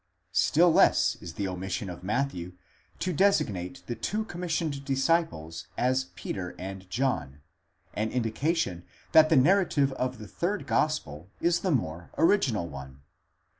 Still less is the omission of Matthew to designate the two commissioned dis ciples as Peter and John, an indication that the narrative of the third gospel is the more original one.